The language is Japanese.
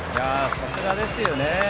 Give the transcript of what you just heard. さすがですよね。